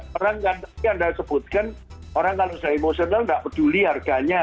orang kan tadi anda sebutkan orang kalau sudah emosional nggak peduli harganya